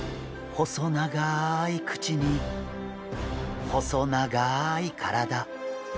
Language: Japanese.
細長い口に細長い体。